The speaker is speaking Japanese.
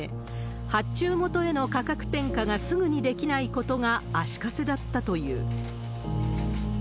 発注元への価格転嫁がすぐにできないことが足かせだったという。